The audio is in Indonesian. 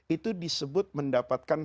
itu disebut mendapatkan